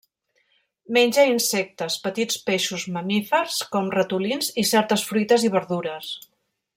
Menja insectes, petits peixos, mamífers com ratolins i certes fruites i verdures.